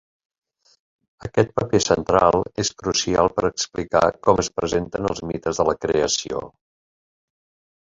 Aquest paper central és crucial per explicar com es presenten els mites de la creació.